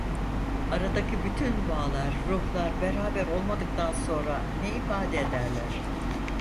Aradaki bütün bağlar, ruhlar beraber olmadıktan sonra, ne ifade ederler?